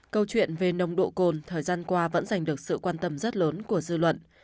câu chuyện về nồng độ cồn thời gian qua vẫn giành được sự quan tâm rất lớn của dư luận